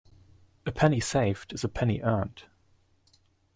A penny saved is a penny earned.